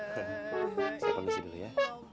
saya permisi dulu ya